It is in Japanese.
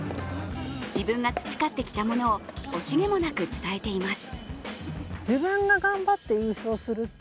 自分が培ってきたものを惜しげもなく伝えています。